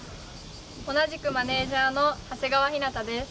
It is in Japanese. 同じくマネージャーの長谷川ひなたです。